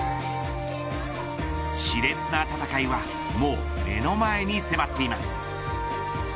し烈な戦いはもう目の前に迫っています。